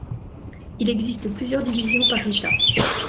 Il existe plusieurs divisions par état.